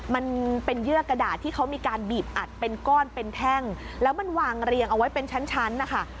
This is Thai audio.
มันเป็นเยื่อกระดาษที่เขามีการบีบอัดเป็นก้อนเป็นแท่งแล้วมันวางเรียงเอาไว้เป็นชั้นนะคะ